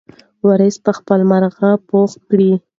وارث به خپله مرغۍ پخه کړي.